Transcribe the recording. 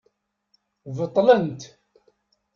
Beṭlent.